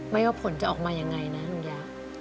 ว่าผลจะออกมายังไงนะลุงยา